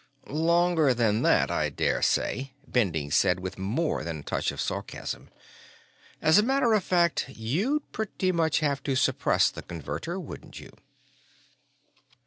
"Longer than that, I dare say," Bending said, with more than a touch of sarcasm. "As a matter of fact, you'd pretty much have to suppress the Converter, wouldn't you?"